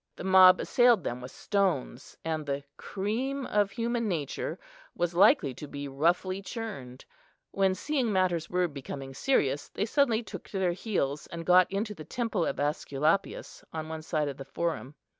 The mob assailed them with stones, and the cream of human nature was likely to be roughly churned, when, seeing matters were becoming serious, they suddenly took to their heels, and got into the Temple of Esculapius on one side of the Forum.